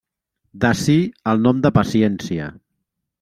D'ací el nom de paciència.